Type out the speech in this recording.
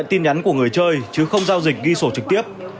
tin nhắn của người chơi chứ không giao dịch ghi sổ trực tiếp